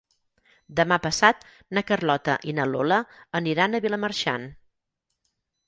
Demà passat na Carlota i na Lola aniran a Vilamarxant.